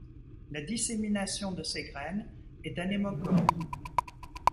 La dissémination de ses graines est anémochore.